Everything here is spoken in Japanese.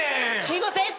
すいません。